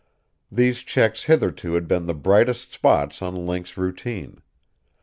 These checks hitherto had been the brightest spots in Link's routine.